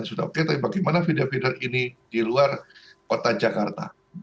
sudah oke tapi bagaimana feeder feeder ini di luar kota jakarta begitu ya baik pak joko kita akan